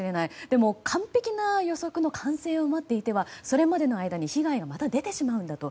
でも、完璧な予測の完成を待っていてはそれまでの間に被害はまた出てしまうと。